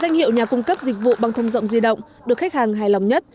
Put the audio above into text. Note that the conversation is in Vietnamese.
danh hiệu nhà cung cấp dịch vụ băng thông rộng di động được khách hàng hài lòng nhất